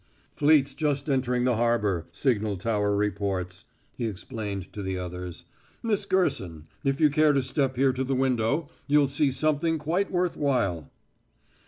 "'Fleet's just entering the harbor,' signal tower reports," he explained to the others. "Miss Gerson, if you care to step here to the window you'll see something quite worth while."